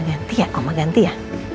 ganti ya ganti ya